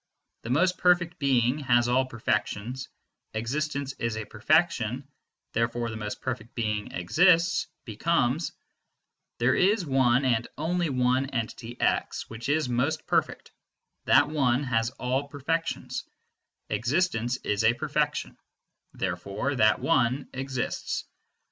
"The most perfect Being has all perfections; existence is a perfection; therefore the most perfect Being exists" becomes: "There is one and only one entity x which is most perfect; that one has all perfections; existence is a perfection; therefore that one exists."